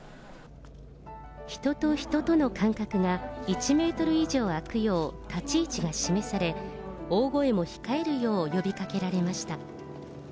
人と人との間隔が１メートル以上空くよう立ち位置が示され、大声も控えるよう呼びかけられました。